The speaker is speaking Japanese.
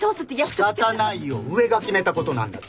仕方ないよ上が決めたことなんだから。